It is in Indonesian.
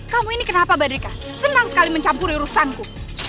kamu ini kenapa badrika senang sekali mencampuri urusanku